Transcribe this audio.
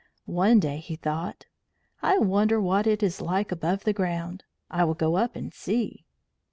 One day he thought: "I wonder what it is like above the ground? I will go up and see."